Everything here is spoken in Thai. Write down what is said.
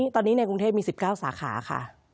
ตอนนี้ในกรุงเทพมี๑๙สาขาค่ะ